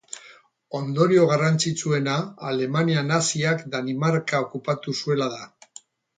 Ondorio garrantzitsuena Alemania naziak Danimarka okupatu zuela da.